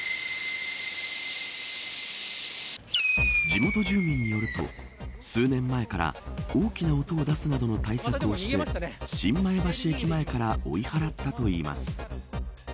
地元住民によると数年前から大きな音を出すなどの対策をして新前橋駅前から追い払ったといいます。